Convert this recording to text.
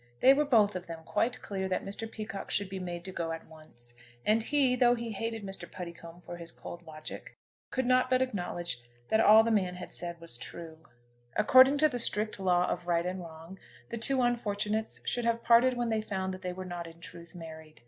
They were both of them quite clear that Mr. Peacocke should be made to go at once. And he, though he hated Mr. Puddicombe for his cold logic, could not but acknowledge that all the man had said was true. According to the strict law of right and wrong the two unfortunates should have parted when they found that they were not in truth married.